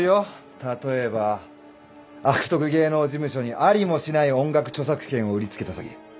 例えば悪徳芸能事務所にありもしない音楽著作権を売り付けた詐欺。